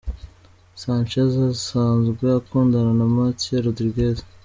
Sanchez asanzwe akundana na Mayte Rodriguez.